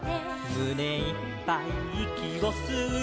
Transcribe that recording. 「むねいっぱいいきをすうのさ」